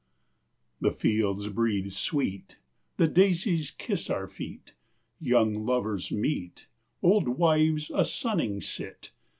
The fields breathe sweet, the daisies kiss our feet. Young lovers meet, old wives a sunning sit.